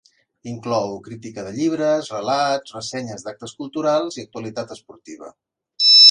Inclou crítica de llibres, relats, ressenyes d'actes culturals i actualitat esportiva.